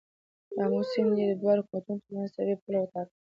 د آمو سیند یې د دواړو حکومتونو تر منځ طبیعي پوله وټاکه.